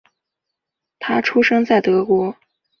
他出生在德国。